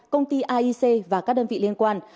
công ty aic và các đơn vị liên quan